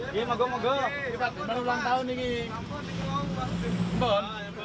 di tempat yang asli di jemaah